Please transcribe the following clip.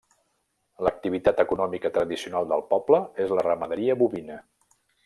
L'activitat econòmica tradicional del poble és la ramaderia bovina.